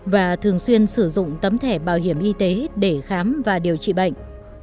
và thường xuyên sử dụng tấm thẻ bảo hiểm y tế để khám và điều trị bệnh